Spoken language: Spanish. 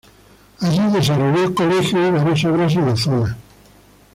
Allí desarrolló el colegio y varias obras en la zona.